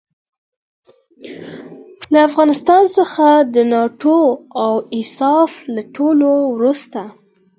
له افغانستان څخه د ناټو او ایساف له وتلو وروسته.